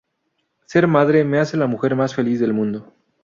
Ser madre me hace la mujer más feliz del mundo".